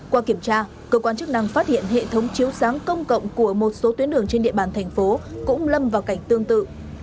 qua kiểm tra cơ quan chức năng phát hiện hệ thống chiếu sáng công cộng của một số tuyến đường trên địa bàn thành phố cũng lâm vào cảnh tương tự